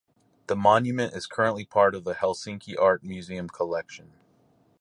The monument is currently the part of the Helsinki Art Museum collection.